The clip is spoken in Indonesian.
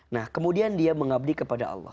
nah kemudian dia mengabdi kepada allah